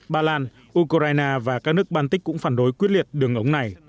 ba lan ukraine và các nước baltic cũng phản đối quyết liệt đường ống này